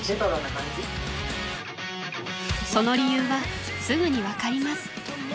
［その理由はすぐに分かります］